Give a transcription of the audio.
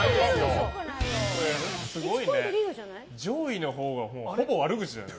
上位のほうはほぼ悪口だよね。